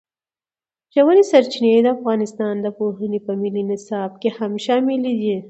ژورې سرچینې د افغانستان د پوهنې په ملي نصاب کې هم شامل دي.